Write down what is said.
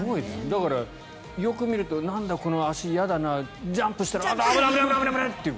だから、よく見るとなんだこの足、嫌だなジャンプしたら危ない！